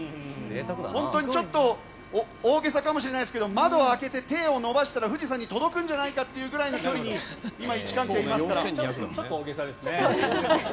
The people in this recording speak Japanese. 本当にちょっと大げさかもしれないですが窓を開けて手を伸ばしたら富士山に届くんじゃないかというぐらいの距離にちょっと大げさですね。